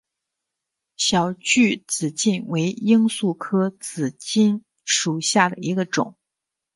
小距紫堇为罂粟科紫堇属下的一个种。